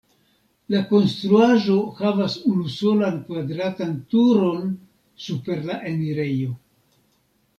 La konstruaĵo havas unusolan kvadratan turon super la enirejo.